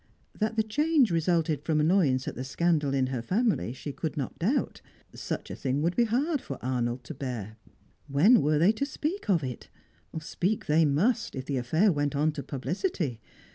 That the change resulted from annoyance at the scandal in her family she could not doubt; such a thing would be hard for Arnold to bear. When were they to speak of it? Speak they must, if the affair went on to publicity.